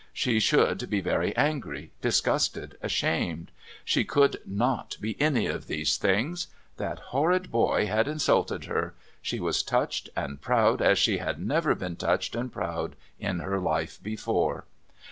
She should be very angry, disgusted, ashamed. She could not be any of these things. That horrid boy had insulted her. She was touched and proud as she had never been touched and proud in her life before.